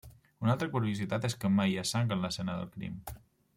Una altra curiositat és que mai hi ha sang en l'escena del crim.